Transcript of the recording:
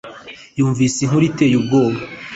Yumvise inkuru iteye ubwoba